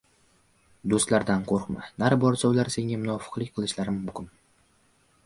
Do‘stlardan qo‘rqma — nari borsa, ular senga munofiqlik qilishlari mumkin.